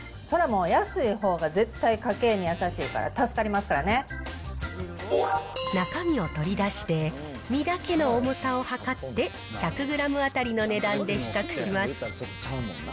そりゃもう、安いほうが絶対家計に優しいから、助かりますからね中身を取り出して、身だけの重さを量って、１００グラム当たりの値段で比較します。